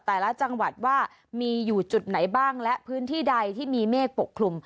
แต่ละจังหวัดว่ามีอยู่จุดไหนบ้างและพื้นที่ใดที่มีเมฆปกคลุม